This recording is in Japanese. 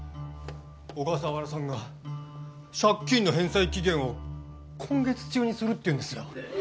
小笠原さんが借金の返済期限を今月中にするっていうんですよ